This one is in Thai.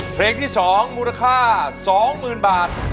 เพลงที่๒มูลค่า๒๐๐๐บาท